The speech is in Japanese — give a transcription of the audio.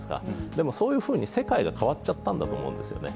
でも、そういうふうに世界が変わっちゃったんだと思うんですよね。